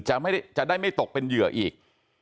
จะได้ไม่ตกเป็นเหยื่ออีก